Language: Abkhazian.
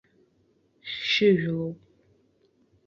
Хьшьыжәлоуп.